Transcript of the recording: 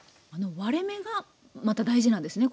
割れ目がまた大事なんですね